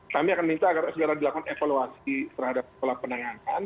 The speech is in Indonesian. kami akan minta agar segera dilakukan evaluasi terhadap pola penanganan